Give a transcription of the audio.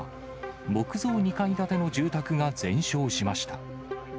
木造２階建ての住宅が全焼しました。